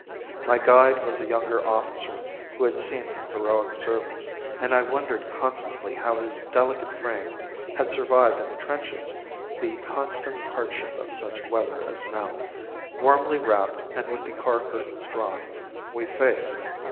My guide was a younger officer who had seen heroic service, and I wondered constantly how his delicate frame had survived in the trenches the constant hardship of such weather as now, warmly wrapped and with the car curtains drawn, we faced.